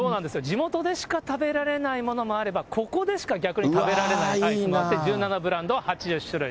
地元でしか食べられないものもあれば、ここでしか逆に食べられないものもあって、１７ブランド８０種類。